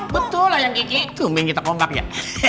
betul lah yang kiki tuh minggir kita kompak ya